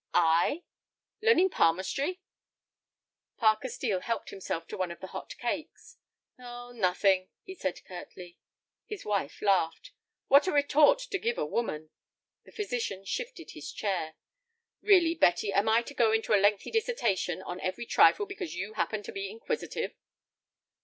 "I?" "Learning palmistry?" Parker Steel helped himself to one of the hot cakes. "Oh, nothing," he said, curtly. His wife laughed. "What a retort to give a woman!" The physician shifted his chair. "Really, Betty, am I to go into a lengthy dissertation on every trifle because you happen to be inquisitive?"